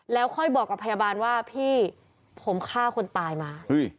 แล้วค่อยบอกกับพยาบาลว่าพี่ผมฆ่าคนตายมา